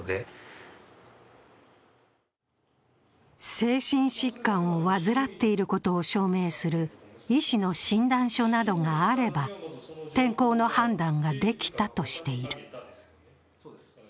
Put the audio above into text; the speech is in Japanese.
精神疾患を患っていることを証明する医師の診断書などがあれば転校の判断ができたとしている。